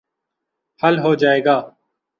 حل ہو جائے گا۔